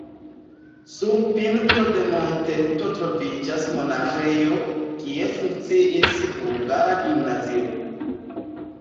Sur pinto de monteto troviĝas monaĥejo, kie funkciis hungara gimnazio.